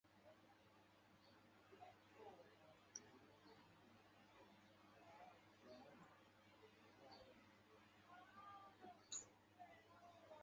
早花大丁草为菊科大丁草属下的一个种。